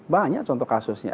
banyak contoh kasusnya